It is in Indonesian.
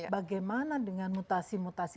bagaimana dengan mutasi mutasi